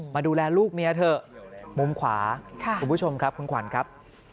มาดูแลลูกเมียเถอะมุมขวาคุณผู้ชมครับคุณขวัญครับ